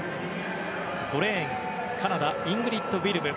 ５レーン、カナダイングリッド・ウィルム。